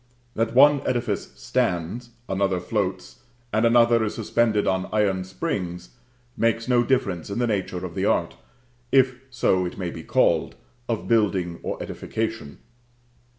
That one edifice stands, another floats, and another is suspended on iron springs, makes no difference in the nature of the art, if so it may be called, of building or edification.